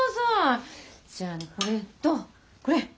じゃあねこれとこれ！